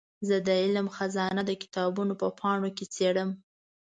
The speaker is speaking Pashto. زه د علم خزانه د کتابونو په پاڼو کې څېړم.